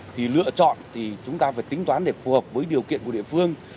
thì lựa chọn thì chúng ta phải tính toán để phù hợp với điều kiện của địa phương